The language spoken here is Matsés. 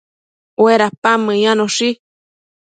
Uedapan meyanoshi